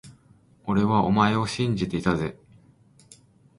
俺はお前を信じていたぜ…